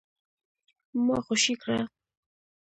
ما خوشي کړه ؟